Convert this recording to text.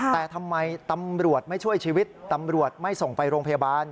แต่ทำไมตำรวจไม่ช่วยชีวิตตำรวจไม่ส่งไปโรงพยาบาล